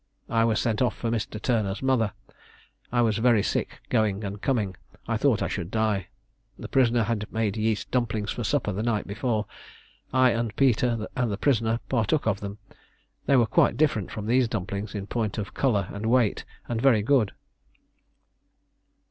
I was sent off for Mr. Turner's mother. I was very sick going and coming I thought I should die. The prisoner had made yeast dumplings for supper the night before: I and Peer and the prisoner partook of them: they were quite different from these dumplings in point of colour and weight, and very good.